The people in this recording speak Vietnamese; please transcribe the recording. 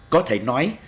có thể nói